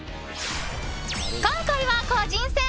今回は個人戦。